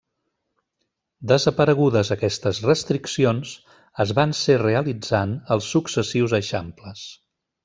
Desaparegudes aquestes restriccions, es van ser realitzant els successius Eixamples.